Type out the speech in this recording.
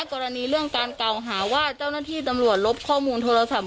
กรณีเรื่องการเก่าหาว่าเจ้าหน้าที่ตำรวจลบข้อมูลโทรศัพท์